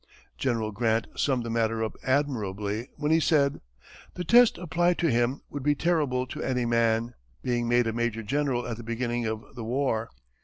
General Grant summed the matter up admirably when he said, "The test applied to him would be terrible to any man, being made a major general at the beginning of the war.